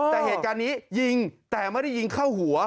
แต่เหตุการณ์นี้ยิงแต่ไม่ได้ยิงเข้าหัว